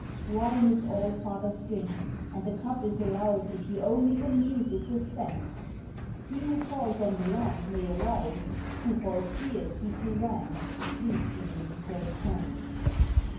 "Wine is Allfather's drink, and the cup is allowed if you only can use it with sense; He who falls on the land may arise, who falls here he to Ran, the sleep giving, goes hence.